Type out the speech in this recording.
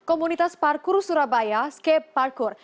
komunitas parkur surabaya skate parkur